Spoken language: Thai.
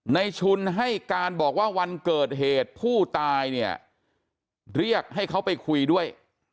ชุนให้การบอกว่าวันเกิดเหตุผู้ตายเนี่ยเรียกให้เขาไปคุยด้วย